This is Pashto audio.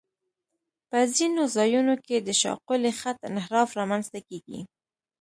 په ځینو ځایونو کې د شاقولي خط انحراف رامنځته کیږي